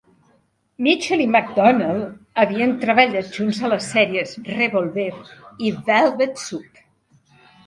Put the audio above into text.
Mitchell i McDonnell havien treballat junts a les sèries "Revolver" i " Velvet Soup".